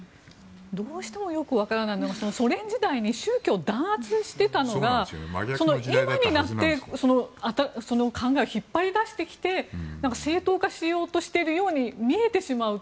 どうしてもよくわからないのがソ連時代に宗教を弾圧していたのが今になって考えを引っ張り出してきて正当化しようとしているように見えてしまう。